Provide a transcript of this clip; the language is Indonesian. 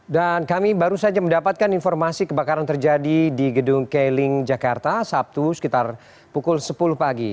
dan kami baru saja mendapatkan informasi kebakaran terjadi di gedung keling jakarta sabtu sekitar pukul sepuluh pagi